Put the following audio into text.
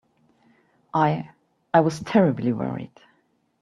I—I was terribly worried.